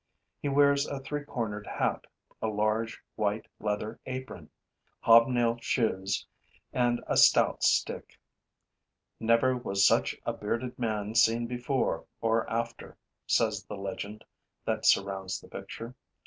He wears a three cornered hat, a large, white leather apron, hobnailed shoes and a stout stick. 'Never was such a bearded man seen before or after,' says the legend that surrounds the picture.